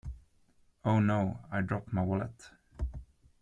Oh No! I dropped my wallet!